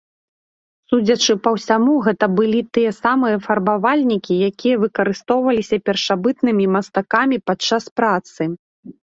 Судзячы па ўсяму гэта былі тыя самыя фарбавальнікі, якія выкарыстоўваліся першабытнымі мастакамі падчас працы.